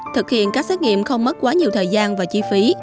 thực hiện các xét nghiệm không mất quá nhiều thời gian và chi phí